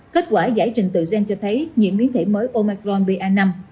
kết quả giải trình tự gen cho thấy nhiễm biến thể mới omacron ba năm